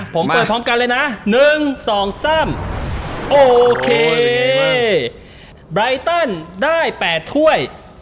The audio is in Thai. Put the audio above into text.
ผมเปิดพร้อมกันเลยน่ะหนึ่งสองสามโอเคไบตันได้แปดถ้วย